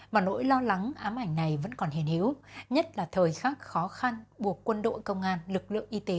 và nỗi lo lắng ám ảnh này vẫn còn hiền hiếu nhất là thời khắc khó khăn buộc quân đội công an lực lượng y tế